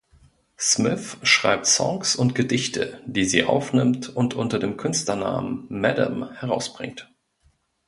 Smith schreibt Songs und Gedichte, die sie aufnimmt und unter dem Künstlernamen "Madam" herausbringt.